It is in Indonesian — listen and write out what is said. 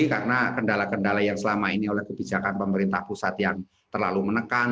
karena kendala kendala yang selama ini oleh kebijakan pemerintah pusat yang terlalu menekan